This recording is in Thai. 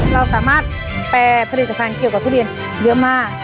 เราสามารถแปรผลิตภัณฑ์เกี่ยวกับทุเรียนเยอะมาก